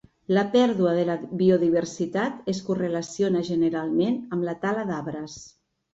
La pèrdua de la biodiversitat es correlaciona generalment amb la tala d'arbres.